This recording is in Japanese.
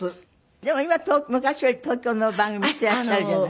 でも今昔より東京の番組していらっしゃるじゃない。